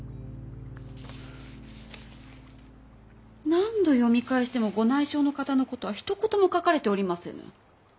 何度読み返してもご内証の方のことはひと言も書かれておりませぬ。